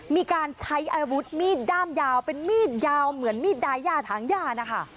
มีการใช้อาวุธมีดด้ามยาวเป็นมีดยาวเหมือนมีดดายาถางย่านะคะ